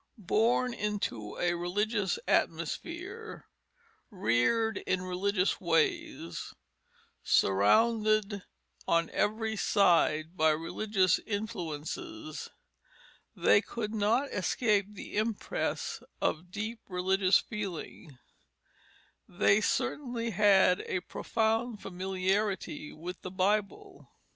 Born into a religious atmosphere, reared in religious ways, surrounded on every side by religious influences, they could not escape the impress of deep religious feeling; they certainly had a profound familiarity with the Bible.